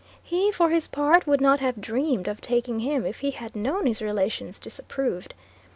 He for his part would not have dreamed of taking him if he had known his relations disapproved.